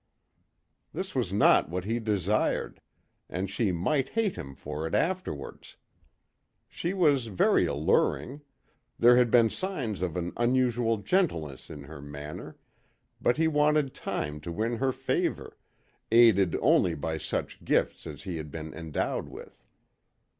This was not what he desired, and she might hate him for it afterwards. She was very alluring; there had been signs of an unusual gentleness in her manner, but he wanted time to win her favour, aided only by such gifts as he had been endowed with.